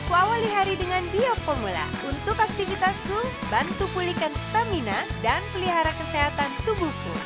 untuk aktivitasku bantu pulihkan stamina dan pelihara kesehatan tubuhku